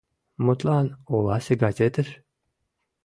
Мутлан, оласе газетыш?